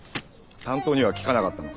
担当には聞かなかったのか？